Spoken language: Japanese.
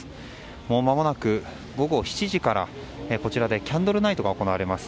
もう間もなく、午後７時からこちらでキャンドルナイトが行われます。